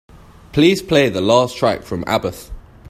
Please play the last track from abbath